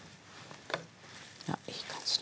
あっいい感じに。